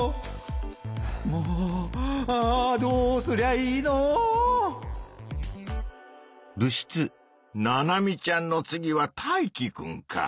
もうあどうすりゃいいの⁉ナナミちゃんの次はタイキくんか。